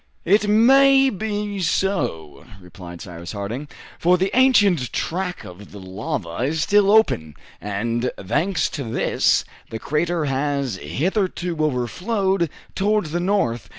"It may be so," replied Cyrus Harding, "for the ancient track of the lava is still open; and thanks to this, the crater has hitherto overflowed towards the north.